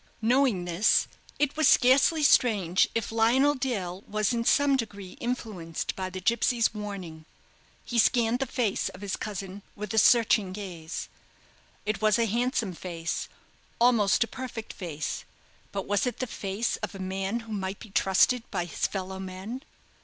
Knowing this, it was scarcely strange if Lionel Dale was in some degree influenced by the gipsy's warning. He scanned the face of his cousin with a searching gaze. It was a handsome face almost a perfect face; but was it the face of a man who might be trusted by his fellow men?